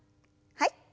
はい。